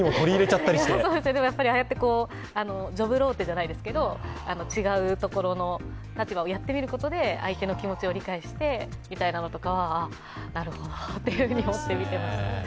ああやってジョブローテじゃないですけど、違うことをやってみて相手の気持ちを理解してみたいなのとか、なるほどと思って見てました。